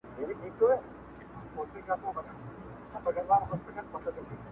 ځان د بل لپاره سوځول زده کړو!.